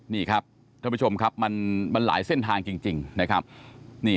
นี่ครับท่านผู้ชมครับมันหลายเส้นทางจริงนะครับ